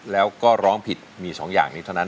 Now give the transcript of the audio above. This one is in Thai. แล้วก็ร้องผิดมี๒อย่างนี้เท่านั้น